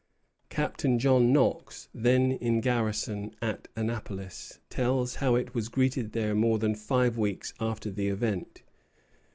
Captain John Knox, then in garrison at Annapolis, tells how it was greeted there more than five weeks after the event.